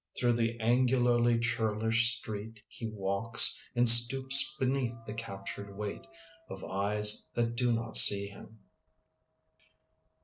Throng the angularly cJmrlish street He walks, and stoops beneath the captured weight Of eyes that do not see him.